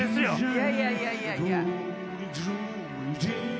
いやいやいやいや。